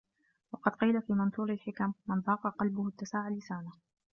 وَقَدْ قِيلَ فِي مَنْثُورِ الْحِكَمِ مَنْ ضَاقَ قَلْبُهُ اتَّسَعَ لِسَانُهُ